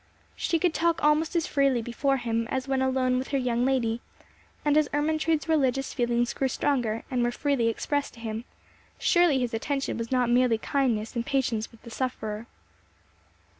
She could talk almost as freely before him as when alone with her young lady; and as Ermentrude's religious feelings grew stronger, and were freely expressed to him, surely his attention was not merely kindness and patience with the sufferer.